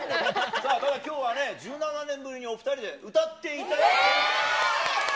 さあ、ただ、きょうはね１７年ぶりに、お２人で歌っていただくと。